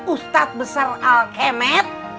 ustadz besar al kemet